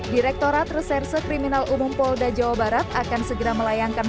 direktorat reserse kriminal umum polda jawa barat akan segera melayangkan